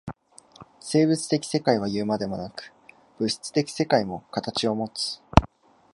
生物的世界はいうまでもなく、物質的世界も形をもつ。